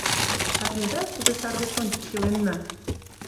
— Шарнеда, кузе сар деч ончыч иленна?